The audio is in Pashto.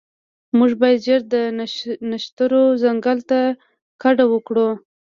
موږ باید ژر د نښترو ځنګل ته کډه وکړو